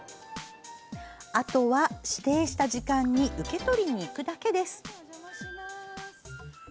あとは指定した時間に受け取りに行くだけです。